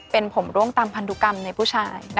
เป็นผมร่วงตามพันธุกรรมในผู้ชาย